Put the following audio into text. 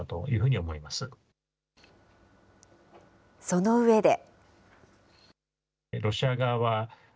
そのうえで。